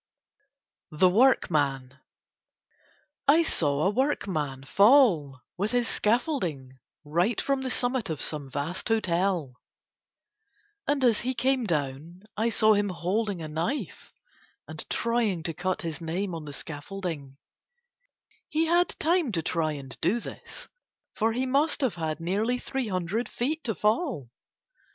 THE WORKMAN I saw a workman fall with his scaffolding right from the summit of some vast hotel. And as he came down I saw him holding a knife and trying to cut his name on the scaffolding. He had time to try and do this for he must have had nearly three hundred feet to fall.